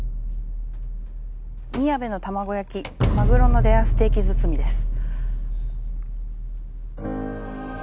みやべの卵焼きマグロのレアステーキ包みです。